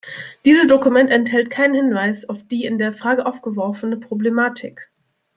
Dieses Dokument enthält keinen Hinweis auf die in der Frage aufgeworfene Problematik.